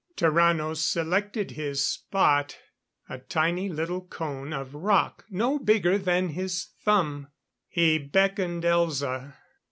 Tarrano selected his spot a tiny little cone of rock no bigger than his thumb. He beckoned Elza.